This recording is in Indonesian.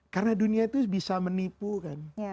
karena dunia itu bisa menipu kan